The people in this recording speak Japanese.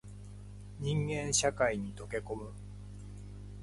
人間社会に溶け込む